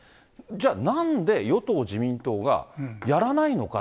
じゃあ、なんで与党・自民党が、やらないのか。